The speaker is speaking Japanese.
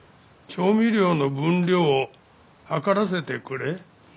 調味料の分量を量らせてくれ？